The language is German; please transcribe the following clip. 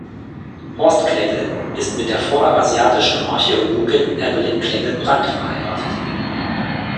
Horst Klengel ist mit der Vorderasiatischen Archäologin Evelyn Klengel-Brandt verheiratet.